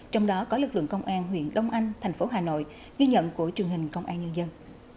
trong đó có lực lượng công an huyện đông anh thành phố hà nội ghi nhận của truyền hình công an nhân dân